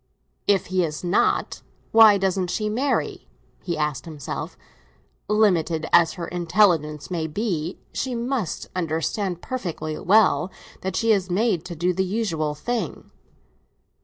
"If he is not, why doesn't she marry?" he asked himself. "Limited as her intelligence may be, she must understand perfectly well that she is made to do the usual thing."